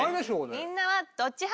みんなはどっち派？